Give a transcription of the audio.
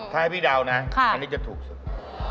ถ้าให้พี่เดานะอันนี้จะถูกสุด